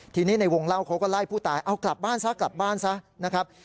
ทีนี้ในวงเหล้าเขาก็ไล่ผู้ตายเอากลับบ้านซะนะครับ